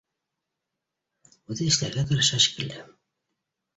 Үҙе эшләргә тырыша шикелле